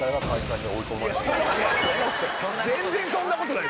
全然そんなことない。